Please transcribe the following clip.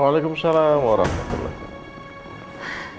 waalaikumsalam warahmatullahi wabarakatuh